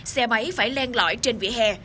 xe máy phải len lõi trên vỉa hè